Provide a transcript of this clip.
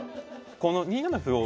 この２七歩を。